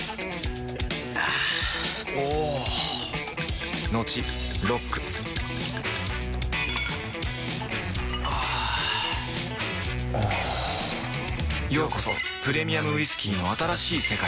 あぁおぉトクトクあぁおぉようこそプレミアムウイスキーの新しい世界へ